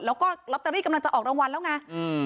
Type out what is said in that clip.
แล้วก็ลอตเตอรี่กำลังจะออกรางวัลแล้วไงอืม